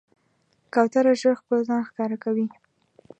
کوتره ژر خپل ځان ښکاره کوي.